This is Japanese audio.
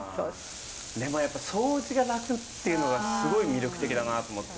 でもやっぱ掃除が楽っていうのがすごい魅力的だなと思って。